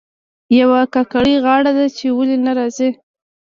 یوه کاکړۍ غاړه ده چې ولې نه راځي.